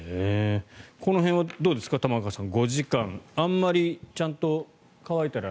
この辺はどうですか玉川さん。